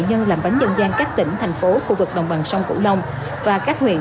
nhân làm bánh dân gian các tỉnh thành phố khu vực đồng bằng sông cửu long và các huyện